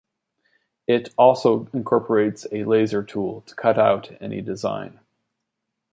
It also incorporates a laser tool to cut out any design.